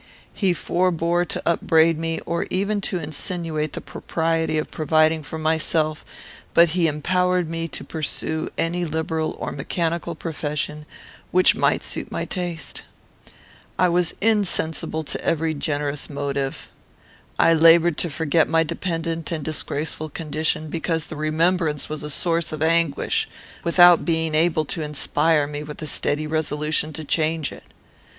He forbore to upbraid me, or even to insinuate the propriety of providing for myself; but he empowered me to pursue any liberal or mechanical profession which might suit my taste. I was insensible to every generous motive. I laboured to forget my dependent and disgraceful condition, because the remembrance was a source of anguish, without being able to inspire me with a steady resolution to change it.